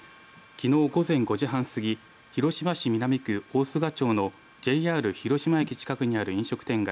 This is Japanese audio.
きのう午前５時半過ぎ広島市南区大須賀町のＪＲ広島駅近くにある飲食店街